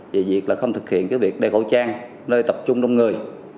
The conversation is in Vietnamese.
về việc là không thực hiện cái việc đeo khẩu trang nơi tập trung đông người